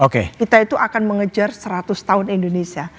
kita itu akan mengejar seratus tahun indonesia